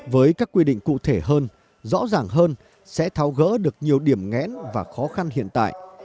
với các quy định cụ thể hơn rõ ràng hơn sẽ tháo gỡ được nhiều điểm ngẽn và khó khăn hiện tại